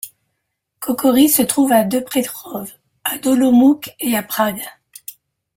Kokory se trouve à de Přerov, à d'Olomouc et à à de Prague.